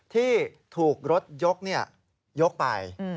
ที่ถูกรถยกยกไป